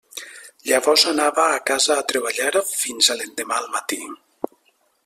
Llavors anava a casa a treballar fins a l'endemà al matí.